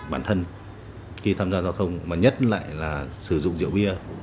bản thân khi tham gia giao thông mà nhất lại là sử dụng rượu bia